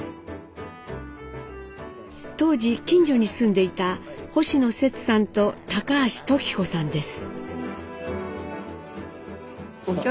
当時近所に住んでいた星野セツさんと高橋時子さんです。